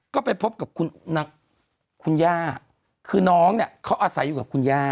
ก็ไปพบกับคุณย่าคือน้องเนี่ยเขาอาศัยอยู่กับคุณย่า